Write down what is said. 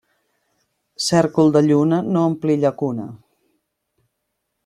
Cèrcol de lluna no ompli llacuna.